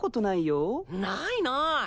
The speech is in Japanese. ないない。